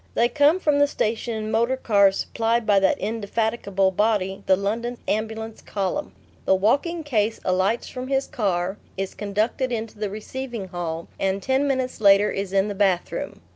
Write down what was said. They come from the station in motor cars supplied by that indefatigable body, the London Ambulance Column. The walking case alights from his car, is conducted into the receiving hall, and ten minutes later is in the bathroom.